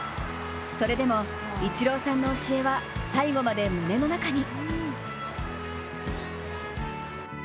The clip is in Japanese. それでもイチローさんの教えは最後まで胸の中に。